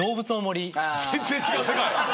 全然違う世界。